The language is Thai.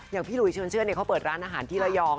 อย่างพี่หลุยเชิญเชื่อเขาเปิดร้านอาหารที่ระยอง